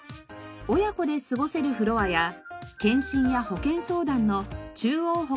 親子で過ごせるフロアや健診や保健相談の中央保健相談所。